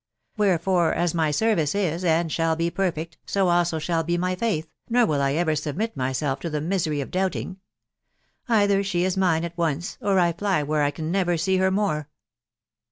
•.. Wherefore, as my service is, and shall be perfect, so also shall be my faith, nor will I ever sub mit myself to the misery of doubting. .•• Either she is mine at once, or I fly where I can never see her more."